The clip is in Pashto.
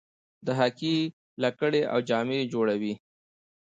د هاکي لکړې او جامې جوړوي.